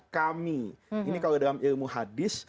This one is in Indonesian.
kami ini kalau dalam ilmu hadis